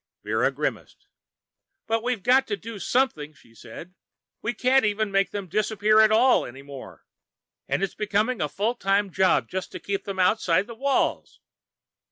_" Vera grimaced. "But we've got to do something," she said. "We can't even make them disappear at all, any more. And it's becoming a full time job just to keep them outside the walls."